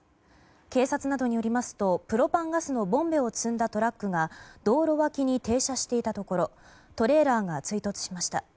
警察などによりますとプロパンガスのボンベを積んだトラックが道路脇に停車していたところトレーラーが追突しました。